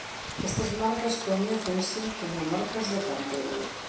Estas marcas coñécense como marcas de canteiro.